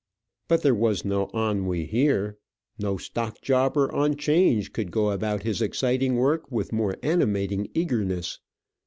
But there was no ennui here. No stockjobber on 'Change could go about his exciting work with more animating eagerness.